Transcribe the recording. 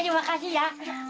terima kasih ya